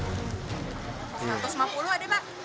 satu ratus lima puluh ada pak